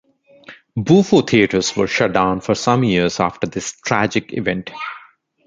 Bufo theatres were shut down for some years after this tragic event.